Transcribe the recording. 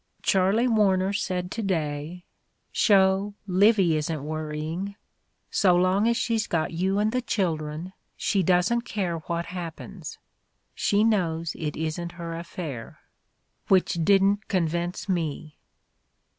Charley War ner said to day, 'Sho, Livy isn't worrying. So long as she's got you and the children she doesn't care what happens. She knows it isn't her affair.' Which didn't convince me!"